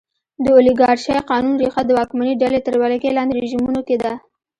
د اولیګارشۍ قانون ریښه د واکمنې ډلې تر ولکې لاندې رژیمونو کې ده.